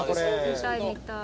見たい見たい。